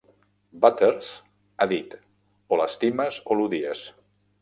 Butters ha dit, o l'estimes o l'odies.